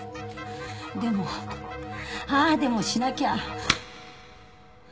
でもああでもしなきゃ。